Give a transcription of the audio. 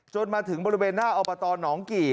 จนถึงบริเวณหน้าอบตหนองกี่